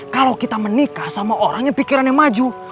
kalau kita menikah sama orang yang pikirannya maju